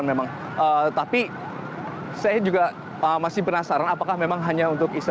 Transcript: makasih bang ya